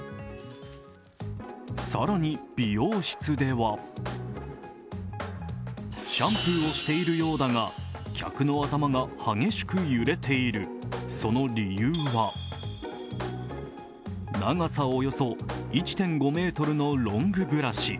更に美容室ではシャンプーをしているようだが客の頭が激しく揺れているその理由は長さおよそ１．５ｍのロングブラシ。